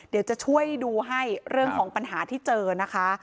เดี๋ยวจะช่วยดูให้เรื่องของปัญหาที่เจอนะคะ